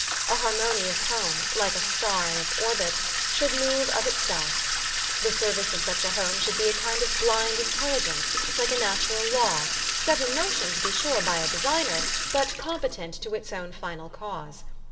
A harmonious home, like a star in its orbit, should move of itself. The service of such a home should be a kind of blind intelligence, like a natural law, set in motion, to be sure, lay a designer, but competent to its own final cause.